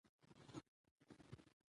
دافغانستان هیواد د اسیا زړه ګڼل کیږي.